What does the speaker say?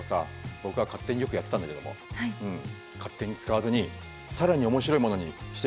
僕は勝手によくやってたんだけども勝手に使わずに更に面白いものにしていこうと決めたよ。